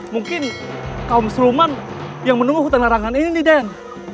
mungkin kaum seluman yang menunggu hutan larangan ini den